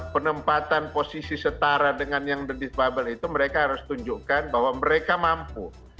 penempatan posisi setara dengan yang the difabel itu mereka harus tunjukkan bahwa mereka mampu